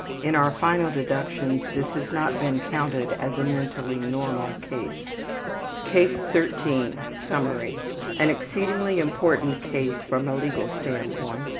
In our final deductions this has not been counted as a mentally normal case. CASE 13 Summary: An exceedingly important case from a legal standpoint.